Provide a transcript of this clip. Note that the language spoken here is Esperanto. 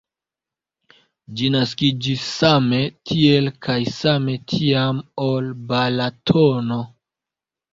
Ĝi naskiĝis same tiel kaj same tiam, ol Balatono.